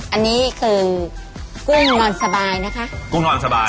อันนี้คือกุ้งนอนสบายนะคะกุ้งนอนสบาย